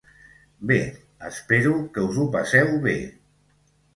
Bé, espero que us ho passeu bé.